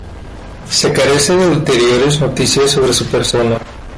Se carece de ulteriores noticias sobre su persona.